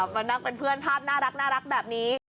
มานั่งเป็นเพื่อนภาพน่ารักแบบนี้